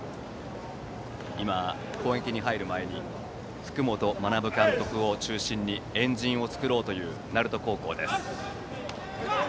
今、攻撃に入る前に福本学監督を中心に円陣を作った鳴門高校です。